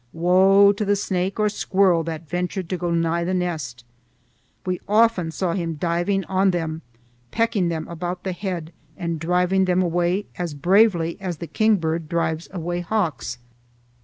Woe to the snake or squirrel that ventured to go nigh the nest! We often saw him diving on them, pecking them about the head and driving them away as bravely as the kingbird drives away hawks.